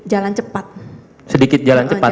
jalan cepat sedikit jalan cepat